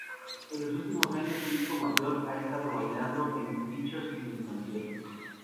En los últimos años su hijo mayor ha estado bailando en dichos mini-conciertos.